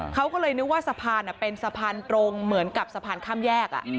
เขาก็เลยนึกว่าสะพานเป็นสะพานตรงเหมือนกับสะพานข้ามแยก